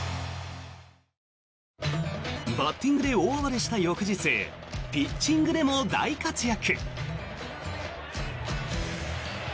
バッティングで大暴れした翌日ピッチングでも大活躍。